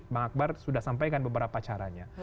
bang akbar sudah sampaikan beberapa caranya